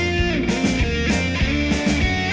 ถ้าเราเต้นเขาอาจจะเปลี่ยนใจจากก๋วยเตี๋ยวว่าเป็นลูกชิ้นของเราก็ได้